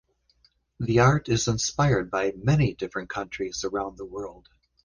The art is inspired by many different countries around the world.